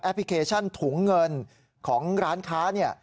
พลิเคชันถุงเงินของร้านค้าเนี่ย